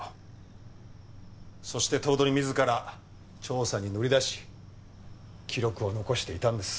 そして頭取自ら調査に乗り出し記録を残していたんです。